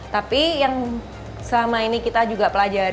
tapi yang selama ini kita juga pelajari